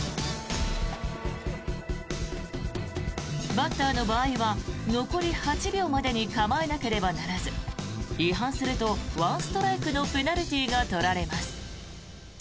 バッターの場合は残り８秒までに構えなければならず違反すると１ストライクのペナルティーが取られます。